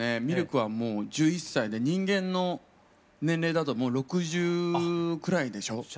ミルクはもう１１歳で人間の年齢だともう６０くらいでしょ。